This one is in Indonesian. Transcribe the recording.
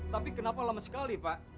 tapi kenapa lama sekali pak